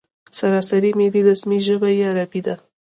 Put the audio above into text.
سراسري ملي رسمي ژبه یې عربي ده.